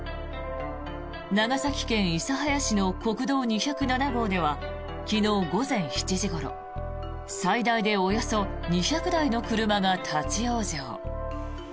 長崎県諫早市の国道２０７号では昨日午前７時ごろ最大でおよそ２００台の車が立ち往生。